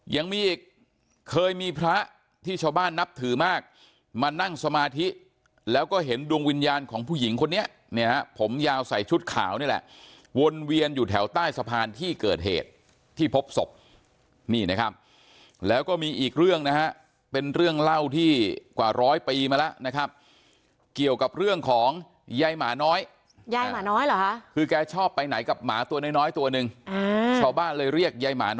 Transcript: ยังมีอีกเคยมีพระที่ชาวบ้านนับถือมากมานั่งสมาธิแล้วก็เห็นดวงวิญญาณของผู้หญิงคนนี้เนี่ยฮะผมยาวใส่ชุดขาวนี่แหละวนเวียนอยู่แถวใต้สะพานที่เกิดเหตุที่พบศพนี่นะครับแล้วก็มีอีกเรื่องนะฮะเป็นเรื่องเล่าที่กว่าร้อยปีมาแล้วนะครับเกี่ยวกับเรื่องของยายหมาน้อยยายหมาน้อยเหรอฮะคือแกชอบไปไหนกับหมาตัวน้อยน้อยตัวหนึ่งชาวบ้านเลยเรียกยายหน